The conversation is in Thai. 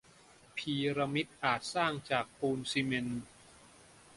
พีระมิดอาจสร้างจากปูนซีเมนต์